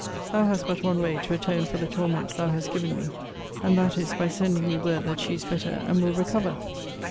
Thou hast but one way to atone for the torments thou hast given me, and that is, by sending me word that she is better, and will recover.